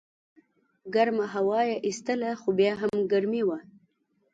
ګرمه هوا یې ایستله خو بیا هم ګرمي وه.